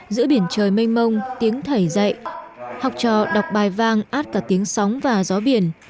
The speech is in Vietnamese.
giữa biển trời mênh mông tiếng thầy dạy học trò đọc bài vang át cả tiếng sóng và gió biển